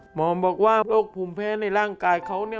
หมอบอกว่าโรคภูมิแพ้ในร่างกายเขาเนี่ย